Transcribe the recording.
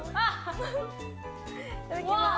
いただきます。